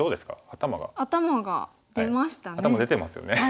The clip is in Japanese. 頭出てますよね。